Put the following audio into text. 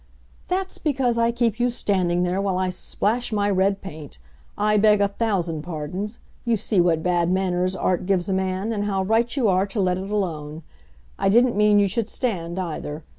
"That's because I keep you standing there while I splash my red paint! I beg a thousand pardons! You see what bad manners Art gives a man; and how right you are to let it alone. I didn't mean you should stand, either.